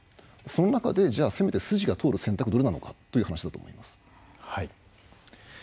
その中でじゃあせめて筋が通る選択はどれなのかという話だと思います。